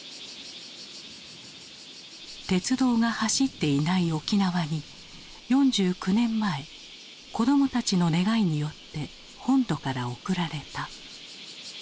鉄道が走っていない沖縄に４９年前子どもたちの願いによって本土から贈られた。